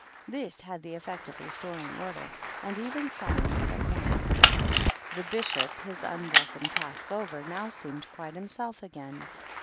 This had the effect of restoring order, and even silence, at once. The Bishop, his unwelcome task over, now seemed quite himself again.